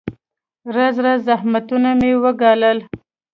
راز راز زحمتونه مې وګالل.